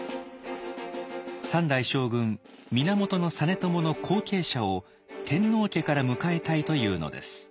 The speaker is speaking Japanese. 三代将軍源実朝の後継者を天皇家から迎えたいというのです。